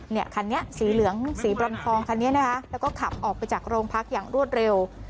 ในนี้ศีลืองสีกร่ำพรองธรรมด์คันนี้นะฮะแล้วก็ขับออกไปจากโรงพักอย่างรวดเร็ว